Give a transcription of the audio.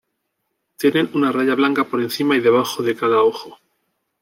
Tienen una raya blanca por encima y debajo de cada ojo.